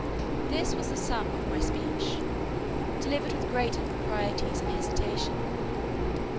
This was the sum of my speech, delivered with great improprieties and hesitation.